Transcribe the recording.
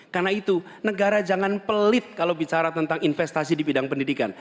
karena itu negara jangan pelit kalau bicara tentang investasi di bidang pendidikan